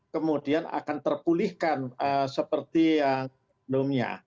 kemudian akan terpulihkan seperti yang sebelumnya